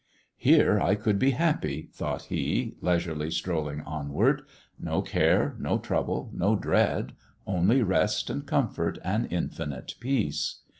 " Here I could be happy," thought he, leisurely strolling onward. "No care, no trouble, no dread, only rest and comfort, and infinite peace.